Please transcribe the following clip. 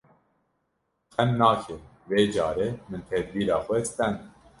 Xem nake vê carê min tedbîra xwe stend.